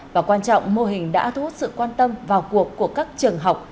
và quan trọng mô hình đã thu hút sự quan tâm vào cuộc của các trường học